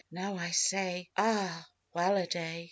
Now I say, ah! well a day!